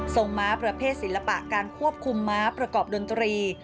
ม้าประเภทศิลปะการควบคุมม้าประกอบดนตรี